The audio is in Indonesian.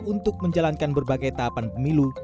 untuk menjalankan berbagai tahapan pemilu